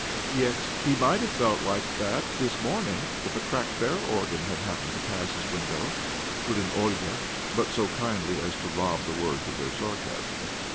"' lYet he might have felt like that this morning if ' a cracked barrel organ ' had happened to pass his window," put in Olga— but so kindly as to rob the words of their sarcasm.